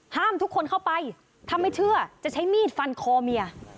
ทุกคนเข้าไปถ้าไม่เชื่อจะใช้มีดฟันคอเมีย